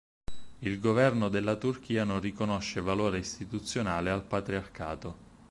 Il governo della Turchia non riconosce valore istituzionale al Patriarcato.